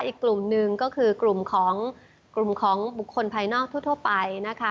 อีกกลุ่มหนึ่งก็คือกลุ่มของคนภายนอกทั่วไปนะคะ